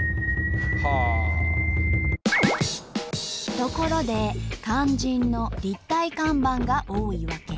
ところで肝心の立体看板が多い訳。